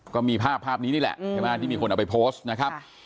ก็มีภาพภาพนี้นี่แหละใช่ไหมที่มีคนเอาไปโพสต์นะครับ